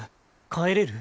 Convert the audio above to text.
帰れる？